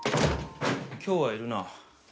今日はいるな。